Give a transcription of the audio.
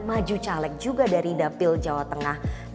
maju caleg juga dari dapil jawa tengah